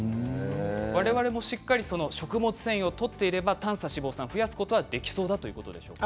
我々もしっかり食物繊維をとっていれば短鎖脂肪酸を増やすことができそうだということですか？